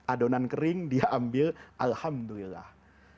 adonan kering dia ambil alhamdulillah